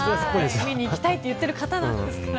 見に行きたいと言ってる方なんですから。